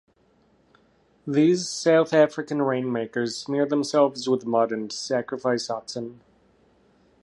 These South African rainmakers smear themselves with mud and sacrifice oxen.